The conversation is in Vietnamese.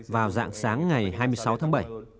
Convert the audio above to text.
vào dạng sáng ngày hai mươi sáu tháng bảy